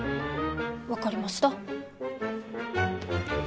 分かりました。